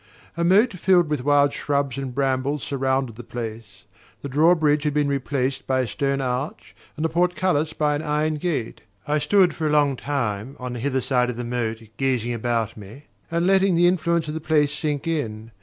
A moat filled with wild shrubs and brambles surrounded the place; the drawbridge had been replaced by a stone arch, and the portcullis by an iron gate. I stood for a long time on the hither side of the moat, gazing about me, and letting the influence of the place sink in.